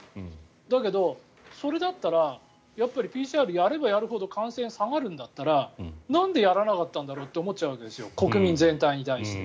だけど、それだったらＰＣＲをやればやるほど感染が下がるんだったらなんでやらなかったんだろうと思っちゃうわけですよ国民全体に対して。